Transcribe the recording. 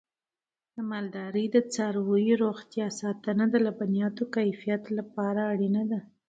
د مالدارۍ د څارویو روغتیا ساتنه د لبنیاتو د کیفیت لپاره اړینه ده.